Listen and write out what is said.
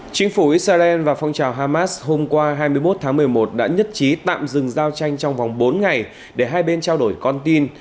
chính phủ israel và phong trào hamas hôm qua hai mươi một tháng một mươi một đã nhất trí tạm dừng giao tranh trong vòng bốn ngày để hai bên trao đổi con tin